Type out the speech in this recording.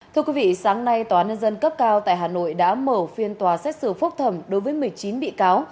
thưa quý vị sáng nay tòa nhân dân cấp cao tại hà nội đã mở phiên tòa xét xử phúc thẩm đối với một mươi chín bị cáo